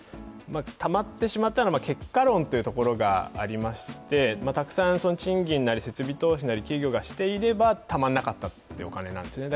たまってしまったのは結果論というところがありましてたくさん賃金なり設備投資なり、企業がしていればたまらなかったお金なんですね。